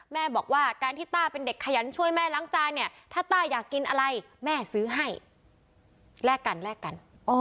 แม่บอกว่าการที่ต้าเป็นเด็กขยันช่วยแม่ล้างจานเนี่ยถ้าต้าอยากกินอะไรแม่ซื้อให้แลกกันแลกกัน